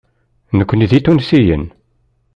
Nekkni d Itunsiyen.